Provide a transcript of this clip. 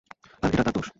আর, এটা তার দোষ!